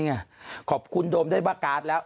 ขอบคุณโดมได้บ้าการ์ดแล้ว